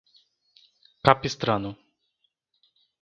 Capistrano